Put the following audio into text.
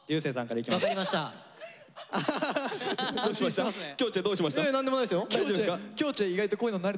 いや何でもないですよ。